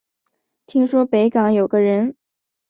听说北港有个人